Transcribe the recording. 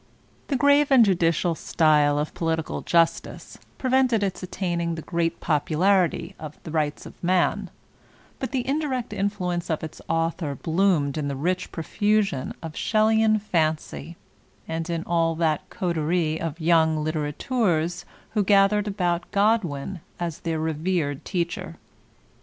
The grave and judicial style of "Political Justice*' pre vented its attaining the great popularity of "The Rights of Man/' but the indirect inffaience of its author bloomed in the rich profusion of Shelleyan fancy, and in all that coterie of young litterateurs who gathered about C^'d win as their revered teacher.